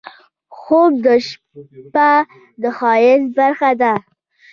خوب د شپه د ښایست برخه ده